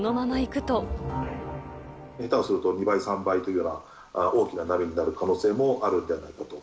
下手をすると、２倍３倍というような、大きな波になる可能性もあるんじゃないかと。